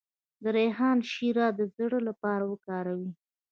د ریحان شیره د زړه لپاره وکاروئ